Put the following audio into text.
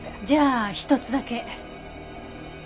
じゃあ一つだけ。